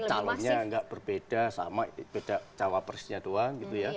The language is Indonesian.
ya calonnya tidak berbeda sama beda jawabannya saja gitu ya